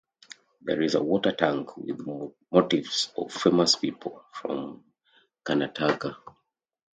There is a water tank with motifs of famous people from Karnataka.